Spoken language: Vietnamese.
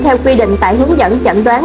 theo quy định tại hướng dẫn chẩn đoán